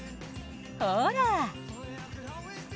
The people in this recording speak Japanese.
ほら。